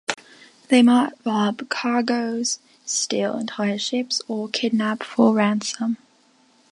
They might rob cargoes, steal entire ships, or kidnap for ransom.